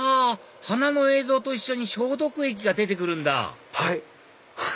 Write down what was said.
花の映像と一緒に消毒液が出て来るんだはい。